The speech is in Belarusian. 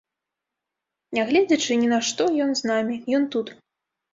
Нягледзячы ні на што ён з намі, ён тут.